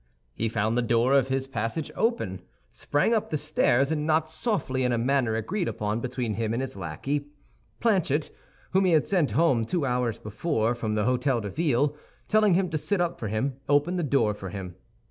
He found the door of his passage open, sprang up the stairs and knocked softly in a manner agreed upon between him and his lackey. Planchet*, whom he had sent home two hours before from the Hôtel de Ville, telling him to sit up for him, opened the door for him.